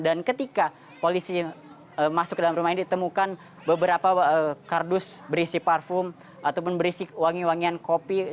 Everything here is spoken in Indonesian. dan ketika polisi masuk ke dalam rumah ini ditemukan beberapa kardus berisi parfum ataupun berisi wangi wangian kopi